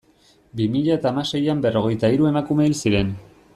Bi mila eta hamaseian berrogeita hiru emakume hil ziren.